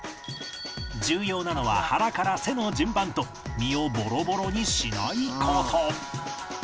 重要なのは腹から背の順番と身をボロボロにしない事